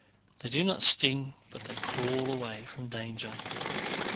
They do not sting, but crawl away from danger.